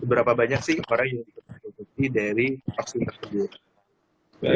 beberapa banyak sih orang yang diperlukan vaksin tersebut